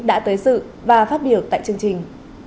đã tới sự và phát biểu tại chương trình